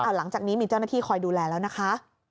หลังจากนี้มีเจ้าหน้าที่คอยดูแลแล้วนะคะ